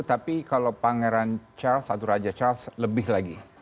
tapi kalau pangeran charles atau raja charles lebih lagi